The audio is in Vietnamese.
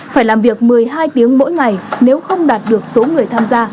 phải làm việc một mươi hai tiếng mỗi ngày nếu không đạt được số người tham gia